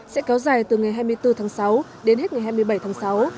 sẽ kéo dài từ ngày hai mươi bốn tháng sáu đến hết ngày hai mươi bảy tháng sáu